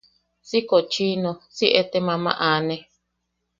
Si kochino, si etem ama aane.